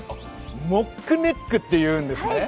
モックネックというんですね。